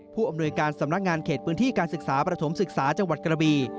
ผู้อำนวยการสำนักงานเขตพื้นที่การศึกษาประถมศึกษาจังหวัดกระบี